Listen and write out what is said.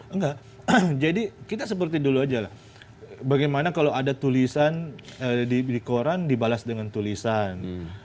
enggak jadi kita seperti dulu aja lah bagaimana kalau ada tulisan di koran dibalas dengan tulisan